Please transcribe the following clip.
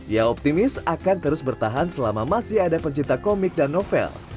ia optimis akan terus bertahan selama masih ada pencinta komik dan novel